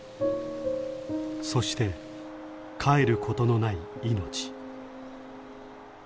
そして帰ることのない命。